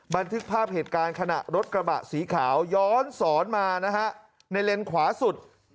บันทึกภาพเหตุการณ์ขณะรถกระบะสีขาวย้อนสอนมานะฮะในเลนขวาสุด